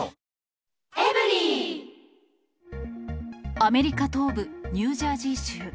アメリカ東部ニュージャージー州。